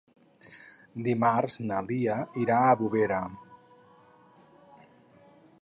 Dimarts na Lia irà a Bovera.